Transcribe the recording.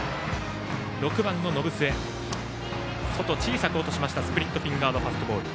６番の延末外に小さく落としたスプリットフィンガードファストボール。